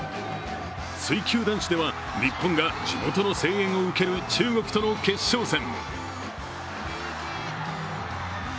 水球男子では日本が地元の声援を受ける中国との決勝戦。